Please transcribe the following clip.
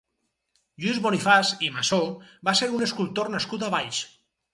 Lluís Bonifaç i Massó va ser un escultor nascut a Valls.